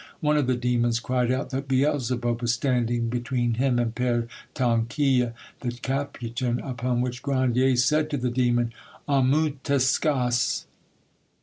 One of the demons cried out that Beelzebub was standing between him and Pere Tranquille the Capuchin, upon which Grandier said to the demon— "'Obmutescas!